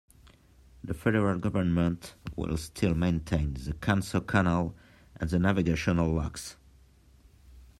The federal government will still maintain the Canso Canal and the navigational locks.